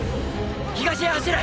東へ走れ！！